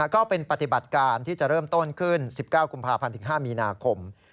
ก็เป็นปฏิบัติการที่จะเริ่มต้นขึ้น๑๙กุมภาพันธ์ถึง๕มีนาคม